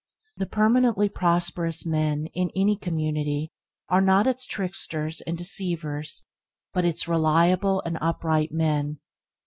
The permanently prosperous men in any community are not its tricksters and deceivers, but its reliable and upright men.